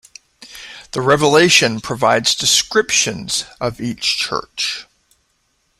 The Revelation provides descriptions of each Church.